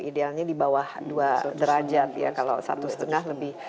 idealnya di bawah dua derajat ya kalau satu setengah lebih